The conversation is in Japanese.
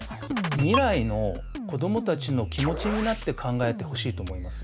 未来の子どもたちの気持ちになって考えてほしいと思いますよね。